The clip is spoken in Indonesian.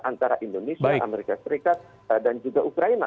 antara indonesia amerika serikat dan juga ukraina